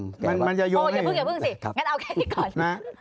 มันมันจะโยงให้โอ้อย่าพึ่งอย่าพึ่งสิครับงั้นเอาแค่นี้ก่อนนะฮะ